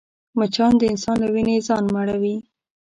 مچان د انسان له وینې ځان مړوي